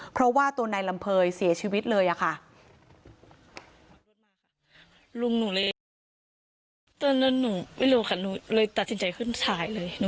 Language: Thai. เพราะว่าตัวนายลำเภยเสียชีวิตเลยค่ะ